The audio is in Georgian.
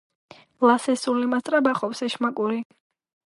ლასე სულ იმას ტრაბახობს, ეშმაკური